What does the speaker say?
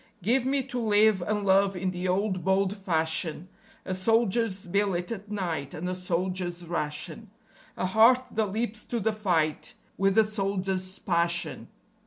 _ Give me to live and love in the old, bold fashion; A soldier's billet at night and a soldier's ration; A heart that leaps to the fight with a soldier's passion.